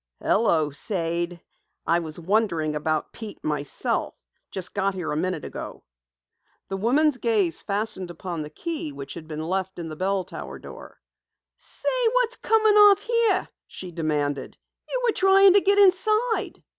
"Hello, Sade. I was wonderin' about Pete myself. Just got here a minute ago." The woman's gaze fastened upon the key which had been left in the bell tower door. "Say, what's coming off here?" she demanded. "You were trying to get inside!"